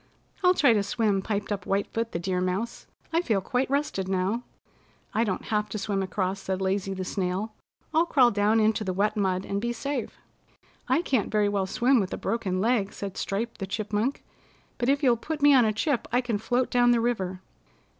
"I'll try to swim," piped up White Foot the Deer Mouse. "I feel quite rested now." "I don't have to swim across," said Lazy the Snail. "I'll crawl down into the wet mud and be safe." "I can't very well swim with a broken leg," said Stripe the Chipmunk, "but if you'll put me on a chip I can float down the river."